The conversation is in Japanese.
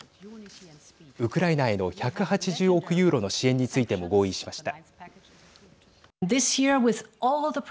ウクライナへの１８０億ユーロの支援についても合意しました。